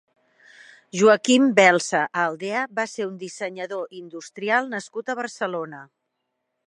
Joaquim Belsa Aldea va ser un dissenyador industrial nascut a Barcelona.